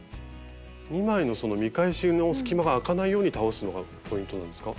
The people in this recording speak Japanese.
２枚のその見返しの隙間があかないように倒すのがポイントなんですか？